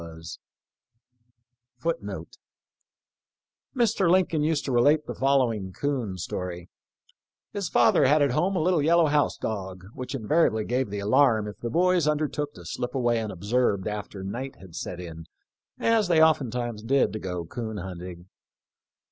} Mr. Lincoln used to relate the following " coon " story : His father had at home a little yellow house dog, which invariably gave the alarm if the boys undertook to slip away unobserved after night had set in — as they oftentimes did — to go coon hunting.